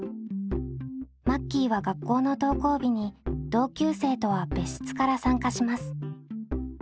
マッキーは学校の登校日に同級生とは別室から参加します。